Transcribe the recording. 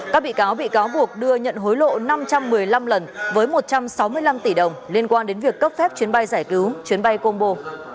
các bị cáo bị cáo buộc đưa nhận hối lộ năm trăm một mươi năm lần với một trăm sáu mươi năm tỷ đồng liên quan đến việc cấp phép chuyến bay giải cứu chuyến bay combo